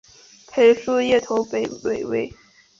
裴叔业北投北魏。